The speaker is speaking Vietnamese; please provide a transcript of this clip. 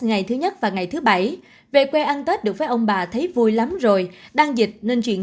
ngày thứ nhất và ngày thứ bảy về quê ăn tết được với ông bà thấy vui lắm rồi đang dịch nên chuyện